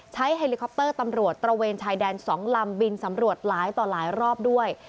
เฮลิคอปเตอร์ตำรวจตระเวนชายแดน๒ลำบินสำรวจหลายต่อหลายรอบด้วย